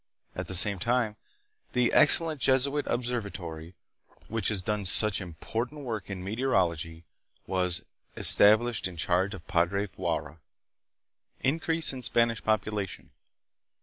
At the same time the ex cellent Jesuit observatory, which has done such important work in meteorology, was 'established hi charge of Padre Faura. Increase in Spanish Population.